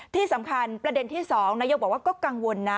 ที่สำคัญประเด็นที่๒นายกบอกว่าก็กังวลนะ